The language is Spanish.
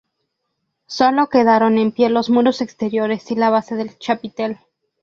Solo quedaron en pie los muros exteriores y la base del chapitel.